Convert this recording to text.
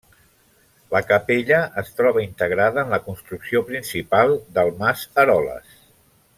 La capella es troba integrada en la construcció principal del Mas Eroles.